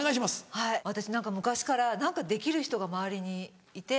はい私何か昔からできる人が周りにいて。